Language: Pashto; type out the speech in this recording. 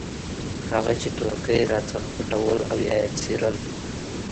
هغه چې تورکي راڅخه پټول او يا يې څيرل.